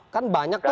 kan banyak tuh